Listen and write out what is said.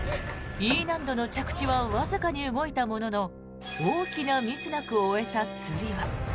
Ｅ難度の着地はわずかに動いたものの大きなミスなく終えたつり輪。